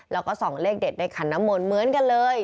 แล้วก็ส่องเลขเด็ดในขันน้ำมนต์เหมือนกันเลย